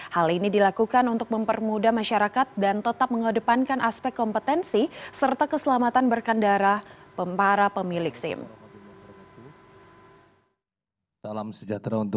hal ini dilakukan untuk mempermudah masyarakat dan tetap mengedepankan aspek kompetensi serta keselamatan berkendara para pemilik sim